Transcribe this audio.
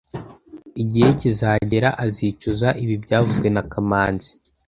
Igihe kizagera azicuza ibi byavuzwe na kamanzi